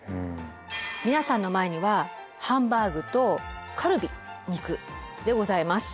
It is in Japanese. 皆さんの前にはハンバーグとカルビ肉でございます。